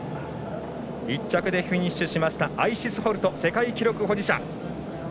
１着でフィニッシュしましたアイシス・ホルト世界記録保持者。